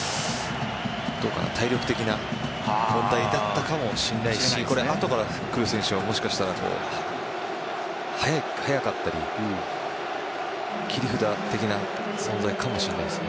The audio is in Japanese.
どうかな、体力的な問題だったかもしれないし後から来る選手がもしかしたら速かったり切り札的な存在かもしれないですね。